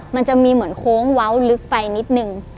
มันจะมีเหมือนโค้งเว้าลึกไปนิดนึง